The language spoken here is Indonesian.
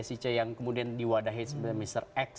si c yang kemudian diwadahi sebagai mr x